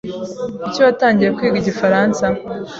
Kuki watangiye kwiga igifaransa?